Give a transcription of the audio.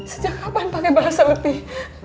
sejak kapan pake bahasa letih